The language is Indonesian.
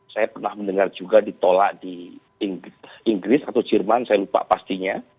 saya pernah mendengar juga ditolak di inggris atau jerman saya lupa pastinya